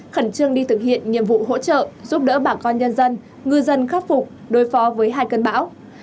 khẩn trương đi thực hiện nhiệm vụ hỗ trợ giúp đỡ bà con nhân dân ngư dân khắc phục đối phó với hai cơn bão